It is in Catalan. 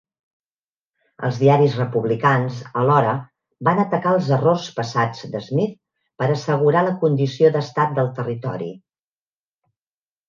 Els diaris republicans, alhora, van atacar els errors passats d'Smith per assegurar la condició d'estat del territori.